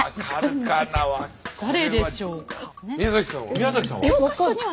宮崎さんは？